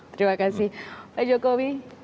terima kasih pak jokowi